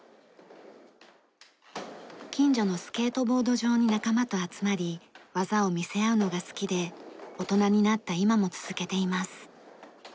近所のスケートボード場に仲間と集まり技を見せ合うのが好きで大人になった今も続けています。